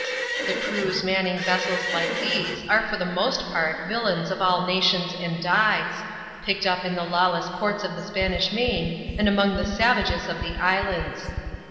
The crews manning vessels like these are for the most part villains of all nations and dyes ; picked up in the lawless ports of the Spanish Main, and among the savages of the islands.